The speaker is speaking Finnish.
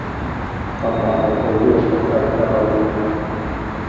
Tamma alkoi juosta täyttä ravia.